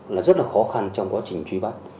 là rất là khó khăn trong quá trình truy bắt